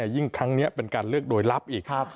ยิ่งครั้งนี้เป็นการเลือกโดยลับอีก